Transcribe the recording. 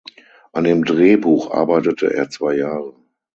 An dem Drehbuch arbeitete er zwei Jahre.